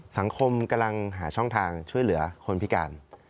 สังคมกำลังหาช่องทางช่วยเหลือคนพิการ